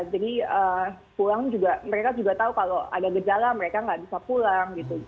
jadi pulang juga mereka juga tahu kalau ada gejala mereka nggak bisa pulang gitu